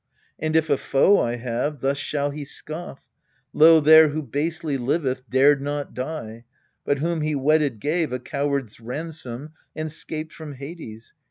And, if a fo? I have, thus shall he scoff :" Lo there who basely liveth dared not die, But whom he wedded gave, a coward's ransom, And 'scaped from Hades.